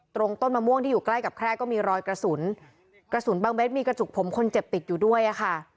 ตรงต้นมะม่วงที่อยู่ใกล้กับแคร่ก็มีรอยกระสุนกระสุนบางเม็ดมีกระจุกผมคนเจ็บติดอยู่ด้วยอะค่ะ